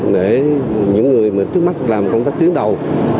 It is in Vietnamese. để những người mà trước mắt làm công tác tuyến đầu